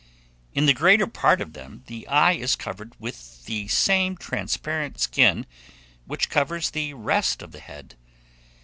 In the greater part of them, the eye is covered with the same transparent skin that covers the rest of the head.